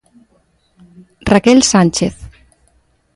Raquel Sánchez.